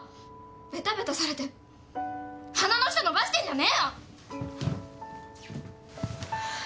べたべたされて鼻の下延ばしてんじゃねえよ！